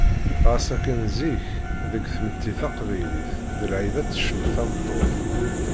Ɣas akken zik, deg tmetti taqbaylit d lɛib ad tecnu tameṭṭut.